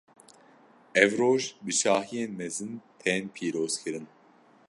Ev roj, bi şahiyên mezin tên pîrozkirin.